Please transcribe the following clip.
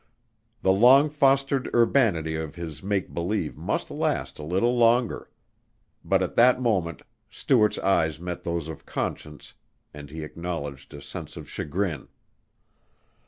The long fostered urbanity of his make believe must last a little longer. But at that moment Stuart's eyes met those of Conscience and he acknowledged a sense of chagrin.